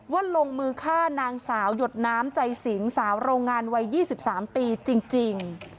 ลงมือฆ่านางสาวหยดน้ำใจสิงสาวโรงงานวัย๒๓ปีจริง